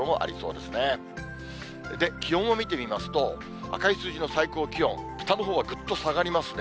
で、気温を見てみますと、赤い数字の最高気温、北のほうはぐっと下がりますね。